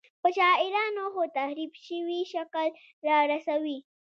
په شاعرانه خو تحریف شوي شکل رارسوي.